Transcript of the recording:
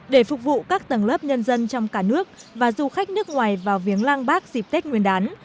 để phục vụ các tầng lớp nhân dân trong cả nước và du khách nước ngoài vào viếng lăng bác dịp tết nguyên đán